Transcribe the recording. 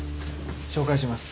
紹介します。